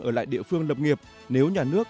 ở lại địa phương lập nghiệp nếu nhà nước